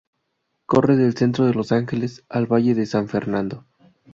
Corre del Centro de Los Ángeles al Valle de San Fernando.